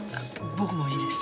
僕もいいです。